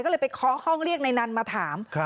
ก็เลยไปเคาะห้องเรียกในนั้นมาถาม